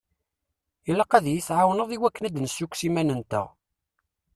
Ilaq ad yi-tɛawneḍ i wakken ad d-nessukkes iman-nteɣ.